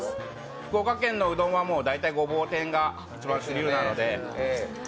福岡県のうどんは大体、ごぼう天が主流なので。